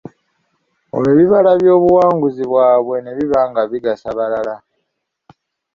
Olwo ebibala by'obuwanguzi bwaabwe nebiba nga bigasa balala.